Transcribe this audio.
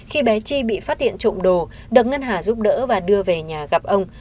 khi bé chi bị phát hiện trộm đồ được ngân hà giúp đỡ và đưa về nhà gặp ông